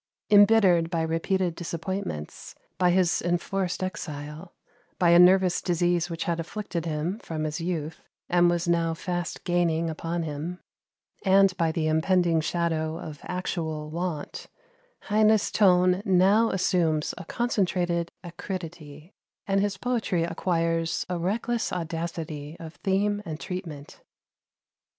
Embittered by repeated disappointments, by his enforced exile, by a nervous disease which had afflicted him from his youth, and was now fast gaining upon him, and by the impending shadow of actual want, Heine's tone now assumes a concentrated acridity, and his poetry acquires a reckless audacity of theme and treatment.